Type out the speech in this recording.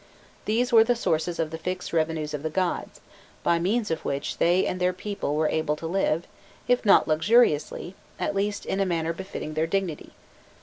These were the sources of the fixed revenues of the gods, by means of which they and their people were able to live, if not luxuriously, at least in a manner befitting their dignity.